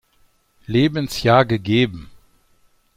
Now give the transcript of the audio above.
Lebensjahr gegeben.